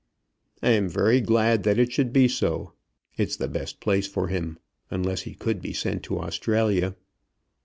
"I am very glad that it should be so. It's the best place for him, unless he could be sent to Australia."